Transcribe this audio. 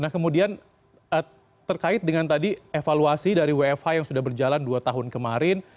nah kemudian terkait dengan tadi evaluasi dari wfh yang sudah berjalan dua tahun kemarin